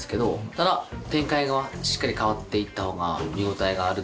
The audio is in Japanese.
ただ展開がしっかり変わっていったほうが見応えがある